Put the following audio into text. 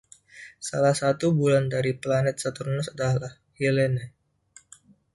Salah satu bulan dari planet Saturnus adalah Helene.